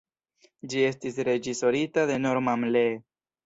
Ĝi estis reĝisorita de Norman Lee.